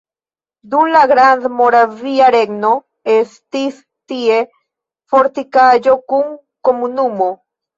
Dum la Grandmoravia Regno estis tie fortikaĵo kun komunumo.